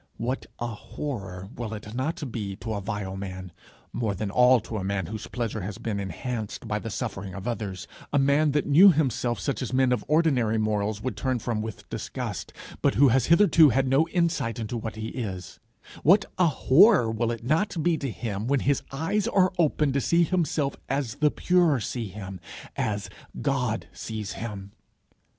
What a horror will it not be to a vile man more than all to a man whose pleasure has been enhanced by the suffering of others a man that knew himself such as men of ordinary morals would turn from with disgust, but who has hitherto had no insight into what he is what a horror will it not be to him when his eyes are opened to see himself as the pure see him, as God sees him!